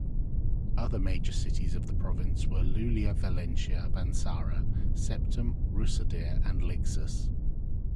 Other major cities of the province were Iulia Valentia Banasa, Septem, Rusadir and Lixus.